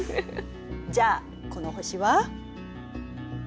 じゃあこの星は？